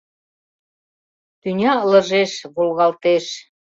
Тӱня ылыжеш, волгалтеш.